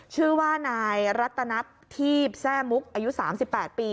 ชื่อว่านายรัตนัททีพแทร่มุกอายุ๓๘ปี